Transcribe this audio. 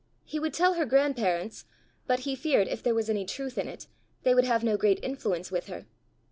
He would tell her grandparents; but he feared, if there was any truth in it, they would have no great influence with her.